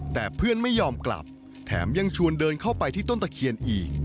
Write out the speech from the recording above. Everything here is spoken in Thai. แต่เพื่อนไม่ยอมกลับแถมยังชวนเดินเข้าไปที่ต้นตะเคียนอีก